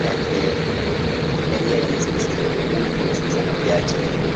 Yari yarize isezerano riboneka mu Isezerano rya Kera